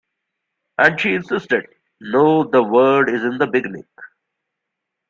And she insisted, no the word is in the beginning.